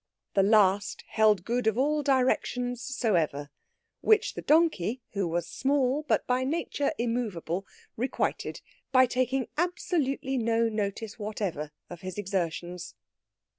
The last held good of all directions soever. Which the donkey, who was small, but by nature immovable, requited by taking absolutely no notice whatever of his exertions.